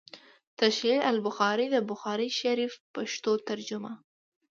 “ تشعيل البخاري” َد بخاري شريف پښتو ترجمه